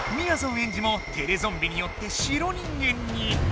エンジもテレゾンビによって白人間に。